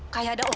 kau tahu apa itu